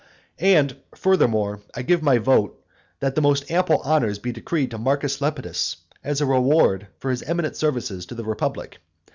XIV. And, furthermore, I give my vote that the most ample honours be decreed to Marcus Lepidus, as a reward for his eminent services to the republic.